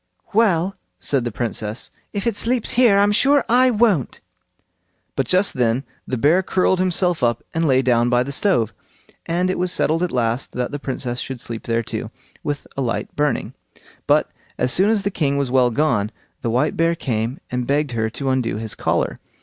"Well!" said the Princess, "if it sleeps here, I'm sure I won't." But just then the bear curled himself up and lay down by the stove; and it was settled at last that the Princess should sleep there too, with a light burning. But as soon as the king was well gone, the white bear came and begged her to undo his collar.